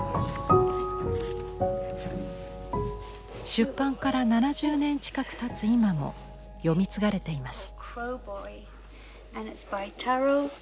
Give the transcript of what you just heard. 出版から７０年近くたつ今も読み継がれています。